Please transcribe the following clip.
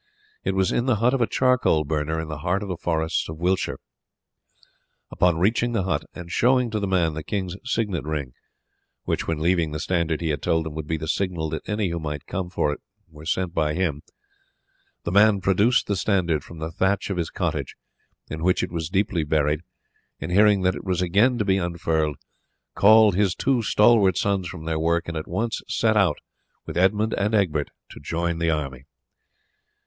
It was in the hut of a charcoal burner in the heart of the forests of Wiltshire. Upon reaching the hut, and showing to the man the king's signet ring, which when leaving the standard he had told him would be the signal that any who might come for it were sent by him, the man produced the standard from the thatch of his cottage, in which it was deeply buried, and hearing that it was again to be unfurled called his two stalwart sons from their work and at once set out with Edmund and Egbert to join the army.